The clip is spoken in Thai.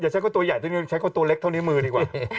ใช้โทรใหญ่ตัวเล็กเท่านิ้วมือดีกว่า